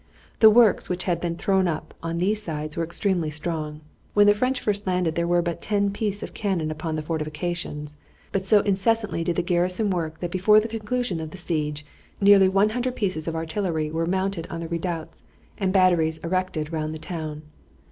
The works which had been thrown up on these sides were extremely strong. When the French first landed there were but ten pieces of cannon upon the fortifications, but so incessantly did the garrison work that before the conclusion of the siege nearly one hundred pieces of artillery were mounted on the redoubts and batteries erected round the town.